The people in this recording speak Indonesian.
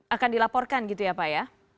akan dilaporkan gitu ya pak ya